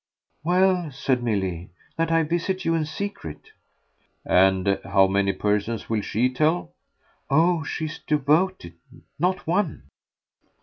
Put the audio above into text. "Well," said Milly, "that I visit you in secret." "And how many persons will she tell?" "Oh she's devoted. Not one."